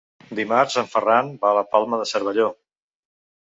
Dimarts en Ferran va a la Palma de Cervelló.